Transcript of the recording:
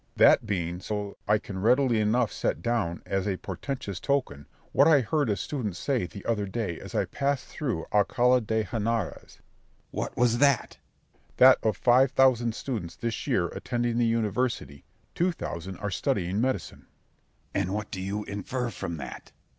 Berg. That being so I can readily enough set down as a portentous token what I heard a student say the other day as I passed through Alcala de Henares. Scip. What was that? Berg. That of five thousand students this year attending the university—two thousand are studying medicine. Scip. And what do you infer from that?